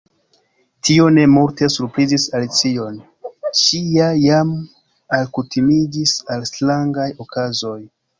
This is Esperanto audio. Tio ne multe surprizis Alicion; ŝi ja jam alkutimiĝis al strangaj okazoj.